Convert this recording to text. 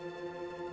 setiap senulun buat